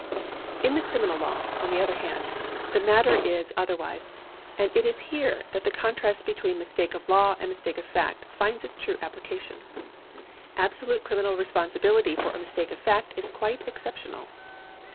In the criminal law, on the other hand, the matter is other wise, and it is here that the contrast between mistake of law and mistake of fact finds its true application. Absolute criminal responsibility for a mistake of fact is quite excep tional.